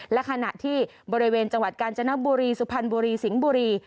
และขณะที่บริเวณจังหวัดกาญจนบุรีสุพรรณบุรีสิงห์บุรี